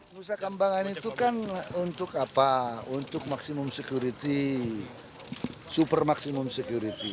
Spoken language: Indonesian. nusa kambangan itu kan untuk apa untuk maksimum security super maksimum security